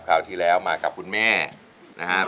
คราวที่แล้วมากับคุณแม่นะครับ